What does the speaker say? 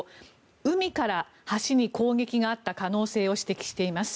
海から橋に攻撃があった可能性を指摘しています。